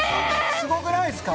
すごくないですか？